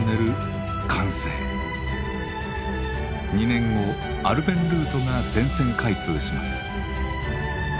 ２年後アルペンルートが全線開通します。